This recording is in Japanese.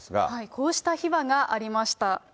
こうした秘話がありました。